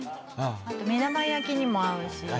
あと目玉焼きにも合うし